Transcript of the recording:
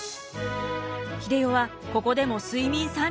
英世はここでも睡眠３時間。